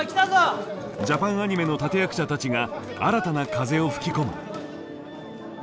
ジャパンアニメの立て役者たちが新たな風を吹き込む。